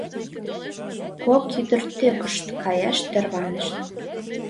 Кок ӱдыр тӧкышт каяш тарванышт.